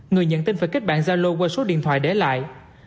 người nhận tin phải kết bạn gia lô qua số điện thoại để lại